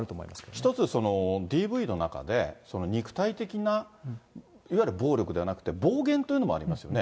一つ、ＤＶの中で、肉体的な、いわゆる暴力ではなくて、暴言というのもありますよね。